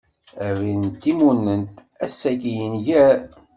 Abrid n timunent, ass-agi yenǧeṛ.